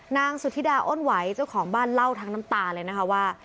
นางสุธิดาอ้นไหวเจ้าของบ้านเล่าทั้งน้ำตาเลยนะคะว่า